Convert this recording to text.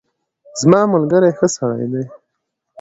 زما ملګری ښه سړی دی.